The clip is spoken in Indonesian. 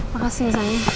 makasih ya sayang